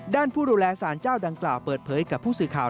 ผู้ดูแลสารเจ้าดังกล่าวเปิดเผยกับผู้สื่อข่าว